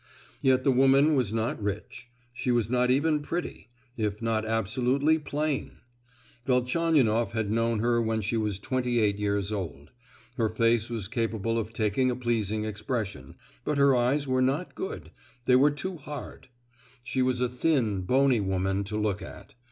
Yet the woman was not rich; she was not even pretty (if not absolutely plain!) Velchaninoff had known her when she was twenty eight years old. Her face was capable of taking a pleasing expression, but her eyes were not good—they were too hard. She was a thin, bony woman to look at.